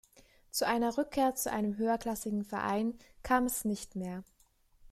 Zu einer Rückkehr zu einem höherklassigen Verein kam es nicht mehr.